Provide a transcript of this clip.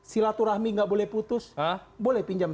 silaturahmi gak boleh putus boleh pinjam seratus